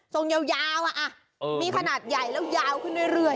ยาวมีขนาดใหญ่แล้วยาวขึ้นเรื่อย